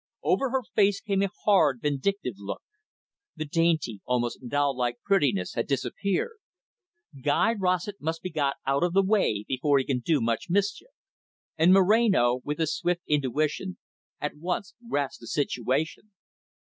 Over her face came a hard, vindictive look. The dainty, almost doll like prettiness had disappeared. "Guy Rossett must be got out of the way, before he can do much mischief." And Moreno, with his swift intuition, at once grasped the situation.